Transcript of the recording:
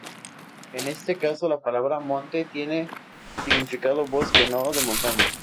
En este caso la palabra monte tiene significado bosque, no de montaña.